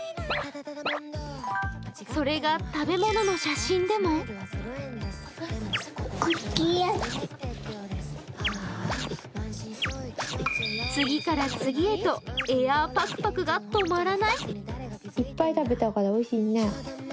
それが食べ物の写真でも次から次へとエアーパクパクが止まらない。